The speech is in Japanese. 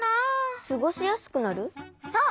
そう！